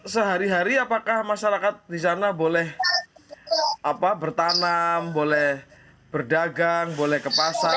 sehari hari apakah masyarakat di sana boleh bertanam boleh berdagang boleh ke pasar